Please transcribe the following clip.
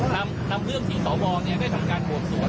นำเรื่องที่ดรเนี่ยได้ทำการบ่วงสวน